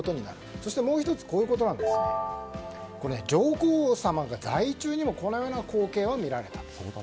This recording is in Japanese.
そして、もう１つは上皇さまが在位中にもこのような光景が見られたと。